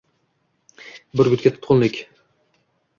Burgutga tutqunlik